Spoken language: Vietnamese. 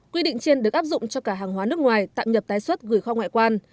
quy định trên được áp dụng cho cả hàng hóa nước ngoài tạm nhập tái xuất gửi kho ngoại quan